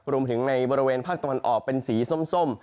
ในบริเวณภาคตะวันออกเป็นสีส้ม